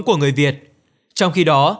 của người việt trong khi đó